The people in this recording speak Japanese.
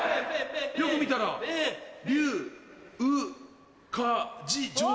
よく見たら「竜」「うかじ」「城」だ。